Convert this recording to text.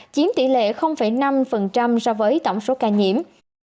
chiếm tỷ lệ năm so với tổng số ca nhiễm